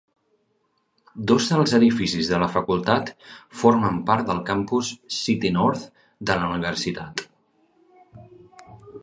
Dos dels edificis de la facultat formen part del campus City North de la universitat.